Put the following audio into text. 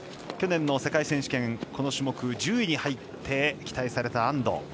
去年の世界選手権この種目１０位に入って期待された安藤。